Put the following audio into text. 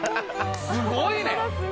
すごいね！